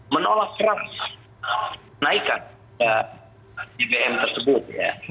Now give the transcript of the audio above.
menolak serat naiknya bbm tersebut